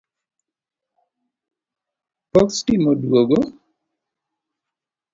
Pok sitima oduogo